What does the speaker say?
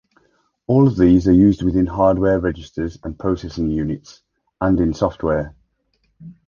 All of these are used within hardware registers and processing units, and in software.